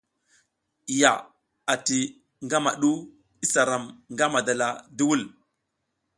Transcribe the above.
Ya ati ngama du isa ram nga madala duwul.